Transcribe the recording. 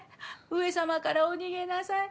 上様からお逃げなさい。